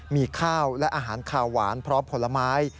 มีข้าวและอาหารขาวหวานพร้อมผลไม้